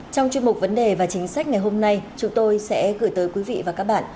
trong chuyên mục vấn đề và chính sách ngày hôm nay chúng tôi sẽ gửi tới quý vị và các bạn